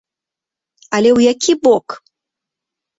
Але ў які бок?